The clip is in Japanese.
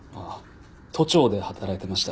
都庁で働いてました。